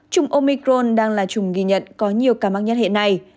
trung omicron đang là chủng ghi nhận có nhiều ca mắc nhất hiện nay